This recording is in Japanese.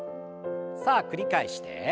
さあ繰り返して。